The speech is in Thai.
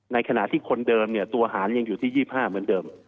ในขณะที่คนเดิมตัวหารยังอยู่ที่๒๕เหมือนเดิม